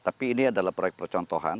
tapi ini adalah proyek percontohan